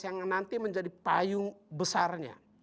yang nanti menjadi payung besarnya